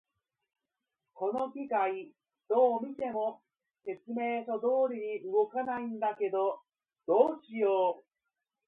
この機械、どう見ても説明書通りに動かないんだけど、どうしよう。